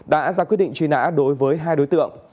đã ra quyết định truy nã đối với hai đối tượng